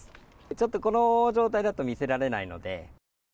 ちょっとこの状態だと見せられないので。